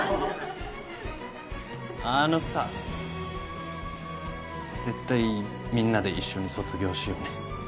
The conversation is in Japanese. あのさ絶対みんなで一緒に卒業しようね。